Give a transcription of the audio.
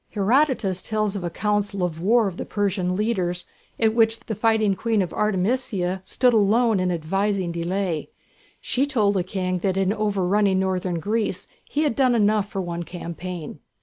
Herodotus tells of a council of war of the Persian leaders at which the fighting Queen Artemisia stood alone in advising delay. She told the King that in overrunning northern Greece he had done enough for one campaign.